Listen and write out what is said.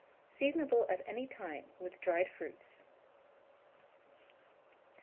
Seasonable at any time, with dried fruits.